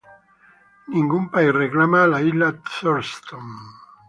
La isla Thurston no es reclamada por ningún país.